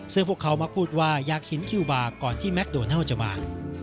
ซึ่งพวกเขามักพูดว่าอยากเห็นคิวบาร์ก่อนที่แมคโดนัลจะมา